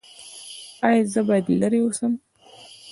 ایا زه باید لرې اوسم؟